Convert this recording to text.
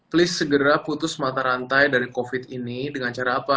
please segera putus mata rantai dari covid ini dengan cara apa